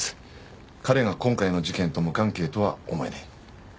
彼が今回の事件と無関係とは思えない。